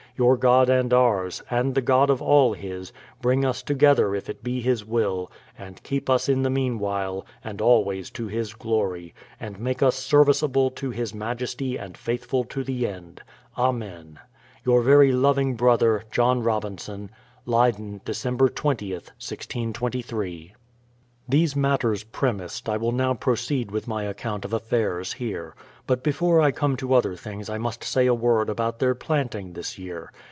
Your God and ours, and the God of all His, bring us together if it be His will, and keep us in the mean while, and always to His glory, and make us serviceable to His majesty and faithful to the end. Amen. Your very loving brother, JOHN ROBINSON. Leyden, Dec. 20th, 1623. These matters premised, I will now proceed with my account of affairs here. But before I come to other things I must say a word about their planting this year.